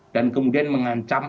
dan kemudian mengancam